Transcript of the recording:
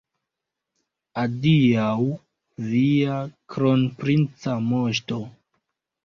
Adiaŭ, via kronprinca moŝto!